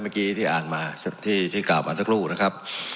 เมื่อกี้ที่อ่านมาที่ที่กล่าวอ่านสักลูกนะครับ